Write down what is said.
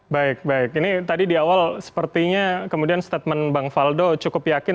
baik baik ini tadi di awal sepertinya kemudian statement bang faldo cukup yakin